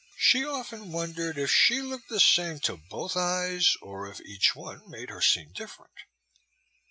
She often wondered if she looked the same to both eyes, or if each one made her seem different.